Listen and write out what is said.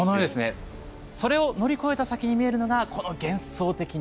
それを乗り越えた先に見えるのがこの幻想的なオーロラ。